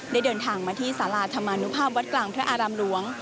เดินทางมาที่สาราธรรมนุภาพวัดกลางพระอารามหลวง